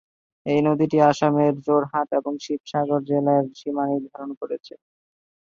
এই নদীটি আসামের যোরহাট এবং শিবসাগর জেলা-এর সীমা নির্ধারণ করেছে।